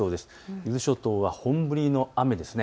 伊豆諸島は本降りの雨ですね。